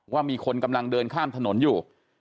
ว่ามีคนกำลังเดินข้ามถนนอยู่